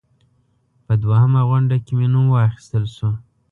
په دوهمه غونډه کې مې نوم واخیستل شو.